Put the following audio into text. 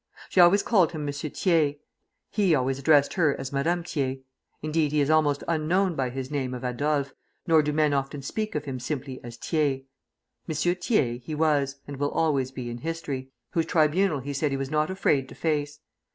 She always called him M. Thiers, he always addressed her as Madame Thiers, indeed, he is almost unknown by his name of Adolphe, nor do men often speak of him simply as Thiers. "Monsieur Thiers" he was and will always be in history, whose tribunal he said he was not afraid to face.